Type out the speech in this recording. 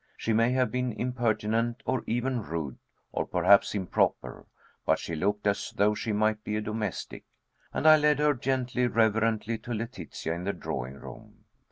She may have been impertinent, or even rude, or perhaps improper, but she looked as though she might be a domestic, and I led her gently, reverently, to Letitia in the drawing room.